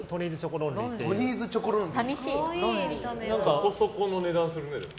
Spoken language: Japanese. そこそこの値段するね。